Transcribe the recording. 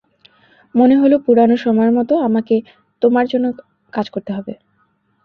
মনে হলো, পুরানো সময়ের মতো, আমাকে তোমার জন্য কাজ করতে হবে।